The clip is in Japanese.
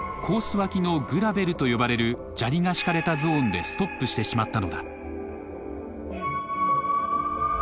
脇の「グラベル」と呼ばれる砂利が敷かれたゾーンでストップしてしまったのだ。